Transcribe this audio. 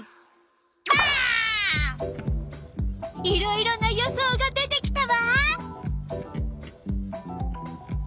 いろいろな予想が出てきたわ！